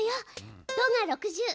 「ド」が６０。